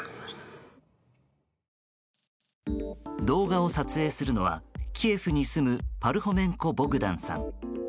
動画を撮影するのはキエフに住むパルホメンコ・ボグダンさん。